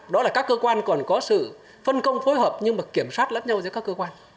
đó là các cơ quan còn có sự phân công phối hợp nhưng mà kiểm soát lẫn nhau giữa các cơ quan